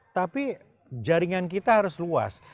tapi jaringan kita harus luas